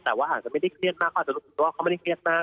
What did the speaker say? แต่ว่าอาจจะไม่ได้เครียดมากเขาอาจจะรู้สึกว่าเขาไม่ได้เครียดมาก